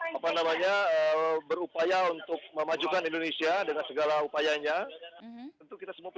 kita ingin apa namanya mengajak seluruh masyarakat indonesia yang ada di inggris untuk tetap apa namanya berupaya untuk memajukan kemerdekaan ri